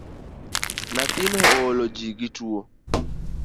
Nyathino oolo gi gi tuo